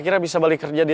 terima kasih tang